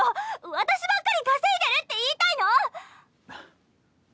私ばっかり稼いでるって言いたいの⁉はぁ。